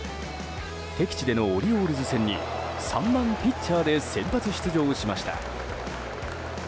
敵地でのオリオールズ戦に３番ピッチャーで先発出場しました。